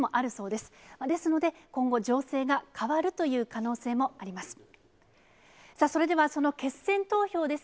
ですので、今後、情勢が変わるという可能性もあります。